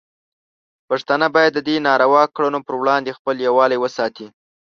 پښتانه باید د دې ناروا کړنو پر وړاندې خپل یووالی وساتي.